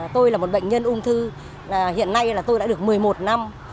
tôi là một bệnh nhân ung thư hiện nay là tôi đã được một mươi một năm